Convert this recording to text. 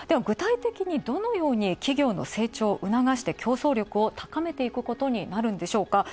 具体的にどのように企業の成長をうながして競争力を高めていくことになるんでしょうか。